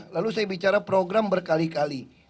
lalu saya bicara program berkali kali